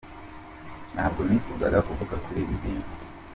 Ntabwo nifuzaga kuvuga kuri ibi bintu.